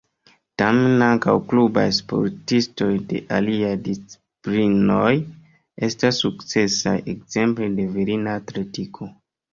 Tamen ankaŭ klubaj sportistoj de aliaj disciplinoj estas sukcesaj, ekzemple de virina atletiko.